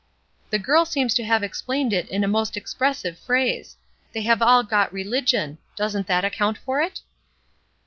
"The girl seems to have explained it in a most expressive phrase; they have all 'got religion.' Does not that account for it?"